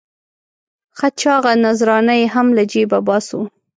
ښه چاغه نذرانه یې هم له جېبه باسو.